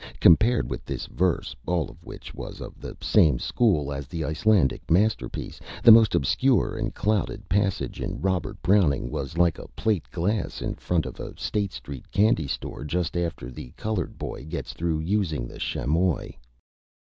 Compared with this Verse, all of which was of the same School as the Icelandic Masterpiece, the most obscure and clouded Passage in Robert Browning was like a Plate Glass Front in a State Street Candy Store just after the Colored Boy gets through using the Chamois.